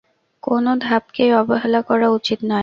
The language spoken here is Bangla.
কোন ধাপকেই অবহেলা করা উচিত নয়।